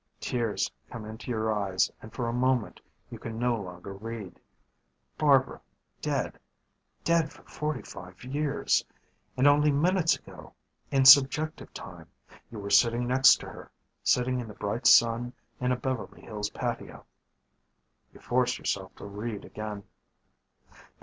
Tears come into your eyes and for a moment you can no longer read. Barbara dead dead for forty five years. And only minutes ago, in subjective time, you were sitting next to her, sitting in the bright sun in a Beverly Hills patio ... You force yourself to read again.